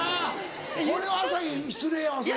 これは朝日失礼やわそれ。